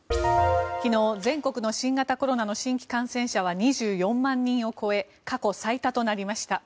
昨日、全国の新型コロナの新規感染者は２４万人を超え過去最多となりました。